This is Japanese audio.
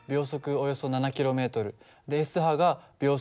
およそ７ｋｍＳ波が秒速